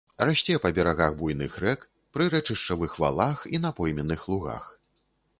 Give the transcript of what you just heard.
Расце па берагах буйных рэк, прырэчышчавых валах і на пойменных лугах.